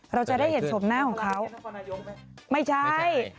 เราจะได้เห็นชมหน้าของเขาไม่ใช่